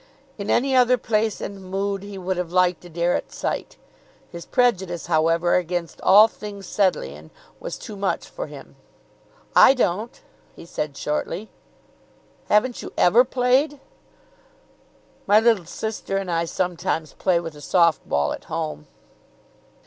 In any other place and mood he would have liked Adair at sight. His prejudice, however, against all things Sedleighan was too much for him. "I don't," he said shortly. "Haven't you ever played?" "My little sister and I sometimes play with a soft ball at home."